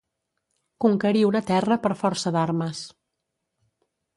Conquerir una terra per força d'armes.